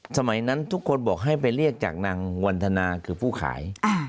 สมัยนั้นทุกคนบอกให้ไปเรียกจากนางวันธนาคือผู้ขาย